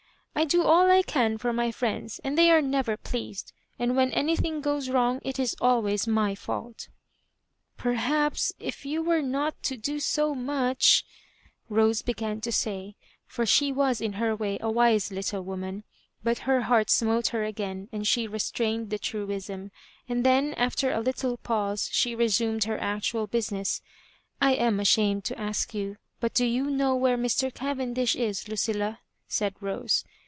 *^ I do all I can for my friends, and they are never pleased ; and when anything goes wrong, it is always my fault" " Perhaps if you were not to do so much ^" Rose began to say, for she was in her a way a wise little woman; but her heart smote her again, and she restrainlb^the truism, and then aRer a little pause she resumed her actuiad busi< ness. '* I am ashamed to ask you» but do you know where Mr. Cavendish is, Lucilla?" said ^ose.